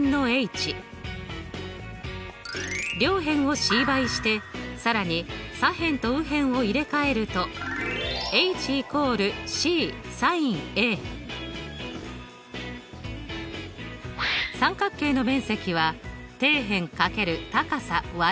両辺をｃ倍して更に左辺と右辺を入れ替えると三角形の面積は底辺×高さ÷２。